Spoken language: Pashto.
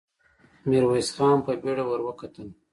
ميرويس خان په بېړه ور وکتل.